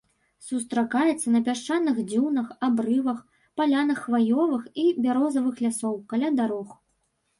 Сустракаецца на пясчаных дзюнах, абрывах, палянах хваёвых і бярозавых лясоў, каля дарог.